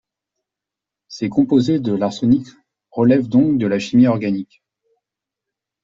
Ces composés de l'arsenic relèvent donc de la chimie organique.